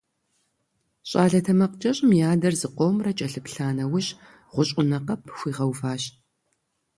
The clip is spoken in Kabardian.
ЩӀалэ тэмакъкӀэщӀым и адэр зыкъомрэ кӀэлъыплъа нэужь, гъущӀ Ӏунэ къэп хуигъэуващ.